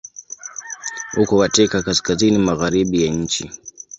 Uko katika kaskazini-magharibi ya nchi.